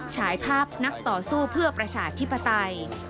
ฉายภาพนักต่อสู้เพื่อประชาธิปไตย